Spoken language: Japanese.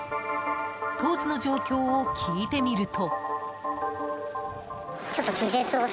当時の状況を聞いてみると。